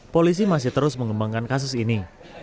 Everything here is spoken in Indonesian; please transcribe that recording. polisi masih terus mengembangkan kasus ini